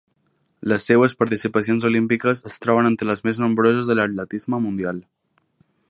Les seues participacions olímpiques es troben entre les més nombroses de l'atletisme mundial.